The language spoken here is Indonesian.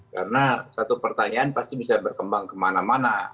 karena satu pertanyaan pasti bisa berkembang kemana mana